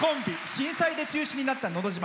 震災で中止になった「のど自慢」。